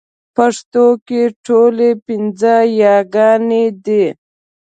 پښتو کې ټولې پنځه يېګانې دي